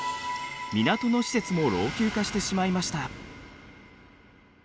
港の施設も老朽化してしまいました。